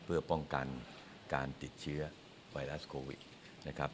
เพื่อป้องกันการติดเชื้อไวรัสโควิดนะครับ